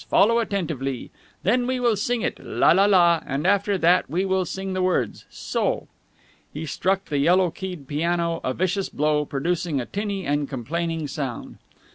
Follow attentively. Then we will sing it la la la, and after that we will sing the words. So!" He struck the yellow keyed piano a vicious blow, producing a tinny and complaining sound.